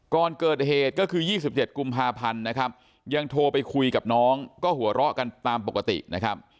ก่อนเกิดเหตุก็คือ๒๗กุมภาพันธ์นะครับยังโทรไปคุยกับน้องก็หัวเราะกันตามปกตินะครับ